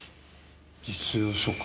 実用書か。